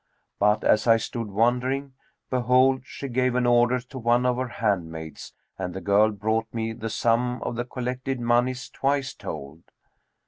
But, as I stood wondering, behold, she gave an order to one of her hand maids and the girl brought me the sum of the collected monies twice told.